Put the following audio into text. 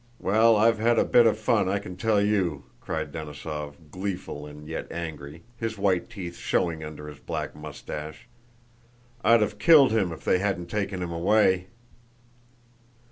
Well, I've had a bit of fun I can tell you!" cried Denísov, gleeful and yet angry, his white teeth showing under his black mustache. "I'd have killed him if they hadn't taken him away!"